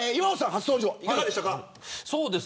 初登場いかがでしたか。